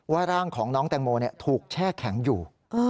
ร่างของน้องแตงโมถูกแช่แข็งอยู่